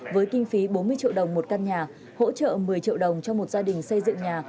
với kinh phí bốn mươi triệu đồng một căn nhà hỗ trợ một mươi triệu đồng cho một gia đình xây dựng nhà